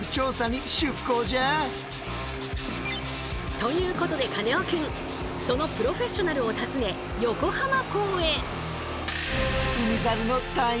ということでカネオくんそのプロフェッショナルを訪ね横浜港へ。